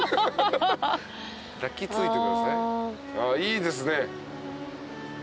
いいですね。